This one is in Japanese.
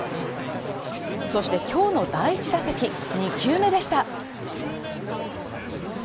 そして今日の第１打席２球目でした。